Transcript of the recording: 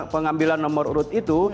pengambilan nomor urut itu